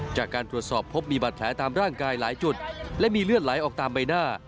จากการตรวจสอบพบมีบาดแผลตามร่างกายหลายจุดและมีเลือดไหลออกตามใบหน้า